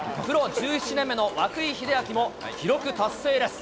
１７年目の涌井秀章も、記録達成です。